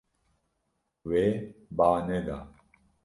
Wê ba neda.